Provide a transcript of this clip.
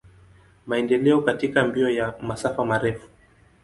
Maendeleo katika mbio ya masafa marefu.